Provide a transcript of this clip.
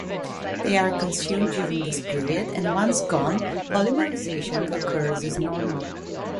They are consumed during this period and once gone polymerisation occurs as normal.